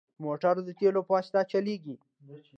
موټر د تیلو په واسطه چلېږي.